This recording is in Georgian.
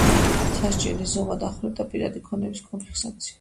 სასჯელის ზომა: დახვრეტა, პირადი ქონების კონფისკაცია.